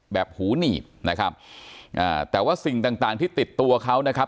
แบบหูหนีบนะครับอ่าแต่ว่าสิ่งต่างต่างที่ติดตัวเขานะครับ